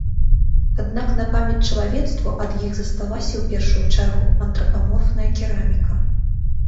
Аднак на памяць чалавецтву ад іх засталася ў першую чаргу антрапаморфная кераміка.